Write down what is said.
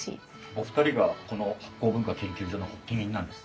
お二人がこの醗酵文化研究所の発起人なんです。